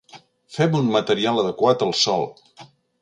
Fem un material adequat al sòl.